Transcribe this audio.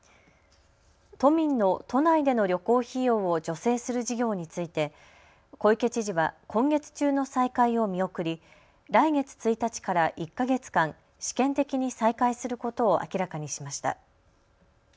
都民の都内での旅行費用を助成する事業について小池知事は今月中の再開を見送り来月１日から１か月間、試験的に再開することを明らかにしました。